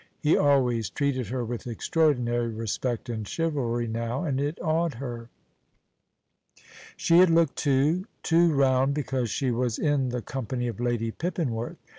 He always treated her with extraordinary respect and chivalry now, and it awed her. She had looked too, too round because she was in the company of Lady Pippinworth.